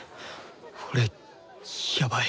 俺やばい。